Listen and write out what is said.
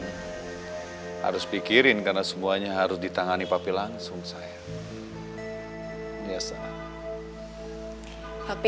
belum harus pikirin karena semuanya harus ditangani tapi langsung saya biasa tapi